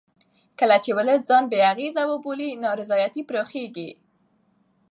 کله چې ولس ځان بې اغېزې وبولي نا رضایتي پراخېږي